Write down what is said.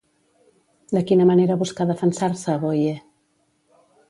De quina manera buscà defensar-se Boye?